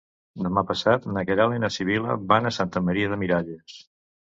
Demà passat na Queralt i na Sibil·la van a Santa Maria de Miralles.